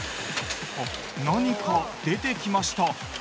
あっ何か出てきました。